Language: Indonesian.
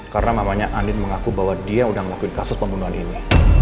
karena mamanya andin mengaku bahwa dia udah ngelakuin kasus pembunuhan ini